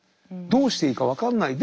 どうしていいか分かんない。